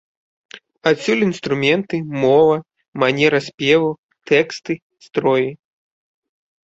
Адсюль інструменты, мова, манера спеву, тэксты, строі.